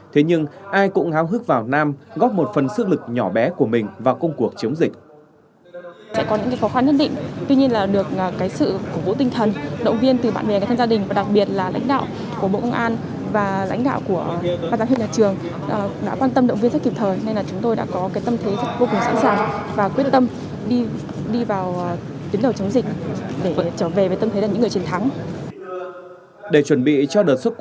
thế nhưng ai cũng háo hức vào nam góp một phần sức lực nhỏ bé của mình vào công cuộc chống dịch